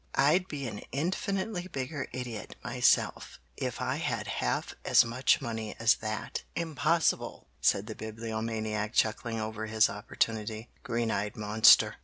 I'd be an infinitely bigger idiot myself if I had half as much money as that." "Impossible!" said the Bibliomaniac, chuckling over his opportunity. "Green eyed monster!"